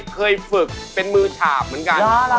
เคยฝึกเป็นมือฉาบเหมือนกัน